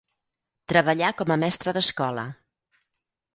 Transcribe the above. Treballà com a mestre d'escola.